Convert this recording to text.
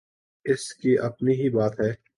اس کی اپنی ہی بات ہے۔